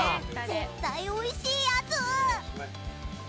絶対おいしいやつ。